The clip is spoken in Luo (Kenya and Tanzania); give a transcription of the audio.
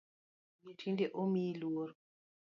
Tinde omiyi luor .